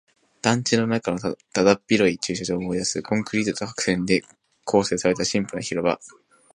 団地の中のだだっ広い駐車場を思い出す。コンクリートと白線で構成されたシンプルな広場。